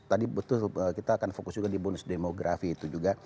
tadi betul kita akan fokus juga di bonus demografi itu juga